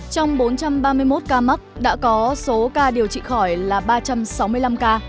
trong bốn trăm ba mươi một ca mắc đã có số ca điều trị khỏi là ba trăm sáu mươi năm ca